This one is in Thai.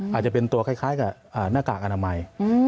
อาจจะเป็นตัวคล้ายกับหน้ากากอนามัย